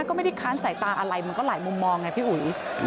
ก็ไม่ได้ค้านสายตาอะไรมันก็หลายมุมมองไงพี่อุ๋ย